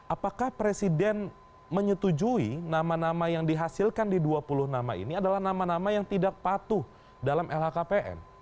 apakah presiden menyetujui nama nama yang dihasilkan di dua puluh nama ini adalah nama nama yang tidak patuh dalam lhkpn